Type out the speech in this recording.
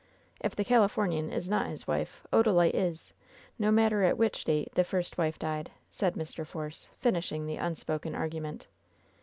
"If the Califomian is not his wife, Odalite is, no mat ter at which date the first wife died, said Mr. Force, finishing the unspoken argument.